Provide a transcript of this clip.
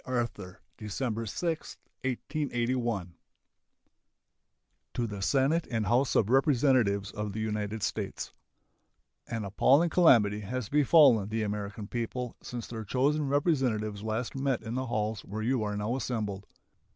Arthur December 6, 1881 To the Senate and House of Representatives of the United States: An appalling calamity has befallen the American people since their chosen representatives last met in the halls where you are now assembled.